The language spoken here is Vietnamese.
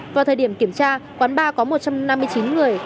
vào thời điểm kiểm tra quán bar có một trăm năm mươi chín người